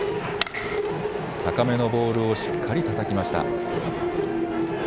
高めのボールをしっかりたたきました。